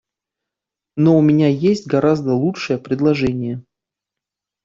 Но у меня есть гораздо лучшее предложение.